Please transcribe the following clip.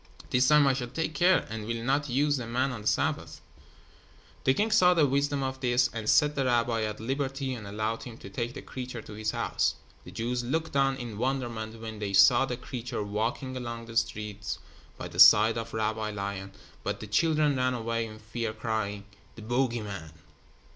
This time I shall take care and will not use the man on the Sabbath." The king saw the wisdom of this and set the rabbi at liberty and allowed him to take the creature to his house. The Jews looked on in wonderment when they saw the creature walking along the street by the side of Rabbi Lion, but the children ran away in fear, crying: "The bogey man."